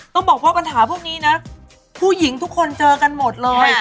ต้องบอกว่าปัญหาพวกนี้นะผู้หญิงทุกคนเจอกันหมดเลย